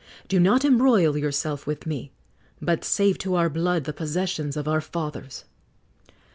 Do not embroil yourself with me, but save to our blood the possessions of our fathers."